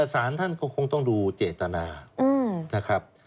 สารท่านก็คงต้องดูเจตนานะครับ